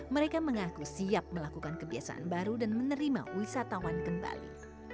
mereka mengaku siap melakukan kebiasaan baru dan menerima wisatawan kembali